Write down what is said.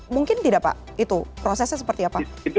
mungkin tidak pak itu prosesnya seperti apa